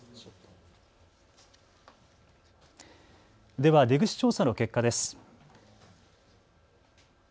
では出口調査の結果です。